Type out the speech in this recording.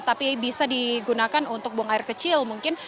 tapi bisa digunakan untuk buang air kecil mungkin